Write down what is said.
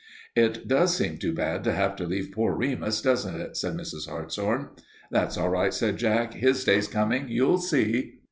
"It does seem too bad to have to leave poor Remus, doesn't it?" said Mrs. Hartshorn. "That's all right," said Jack. "His day's coming. You'll see."